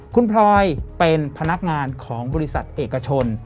คุณพลอยเป็นพนักงานของบริษัทเอกชน